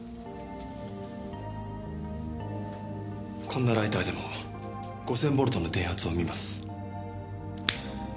こんなライターでも５０００ボルトの電圧を生みます。